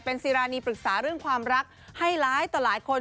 เป็นสีราเนีย่ปรึกษาเรื่องความรักไฮล้าให้แต่หลายคน